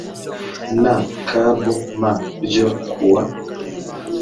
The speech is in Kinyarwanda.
n cab m ryo ku wa